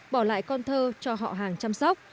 bỏ lại con thơ cho họ hàng chăm sóc